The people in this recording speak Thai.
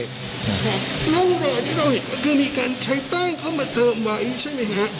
หลวงหลอดที่เราเห็นก็คือมีการใช้ตั้งเข้ามาเจิมไว้ใช่ไหมครับ